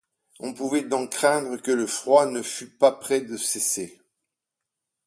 On pouvait donc craindre que le froid ne fût pas près de cesser!